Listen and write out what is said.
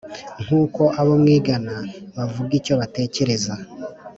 nk uko abo mwigana bavuga icyo batekereza